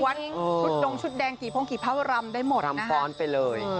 เออชุดดงชุดแดงกี่พงกี่พาวรำได้หมดนะฮะดำฟ้อนไปเลยเออ